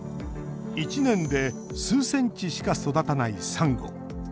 １年で数センチしか育たないサンゴ。